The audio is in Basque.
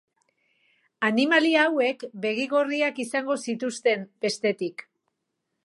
Animalia hauek begi gorriak izango zituzten, bestetik.